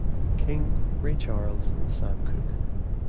King, Ray Charles and Sam Cooke.